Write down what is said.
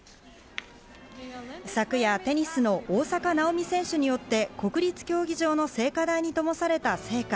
昨夜、テニスの大坂なおみ選手によって国立競技場の聖火台に灯された聖火。